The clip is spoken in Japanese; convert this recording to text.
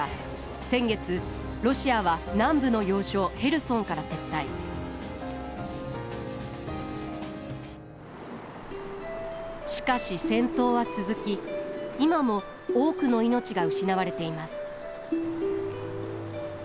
先月ロシアは南部の要衝へルソンから撤退しかし戦闘は続き今も多くの命が失われています